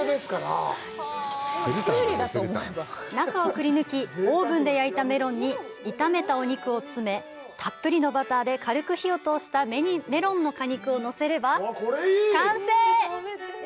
中をくり抜き、オーブンで焼いたメロンに炒めたお肉を詰めたっぷりのバターで軽く火を通したメロンの果肉を載せれば完成。